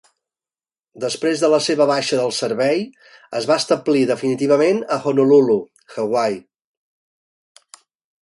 Després de la seva baixa del servei, es va establir definitivament a Honolulu, Hawaii.